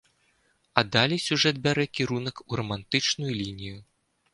А далей сюжэт бярэ кірунак у рамантычную лінію.